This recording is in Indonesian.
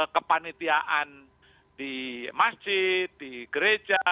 kepanitiaan di masjid di gereja